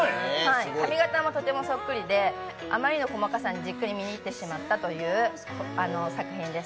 髪形もとてもそっくりで、余りの細かさにじっくり見入ってしまったという作品です。